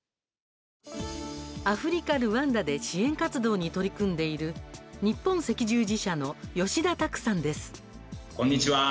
アフリカ・ルワンダで支援活動に取り組んでいる日本赤十字社の吉田拓さんです。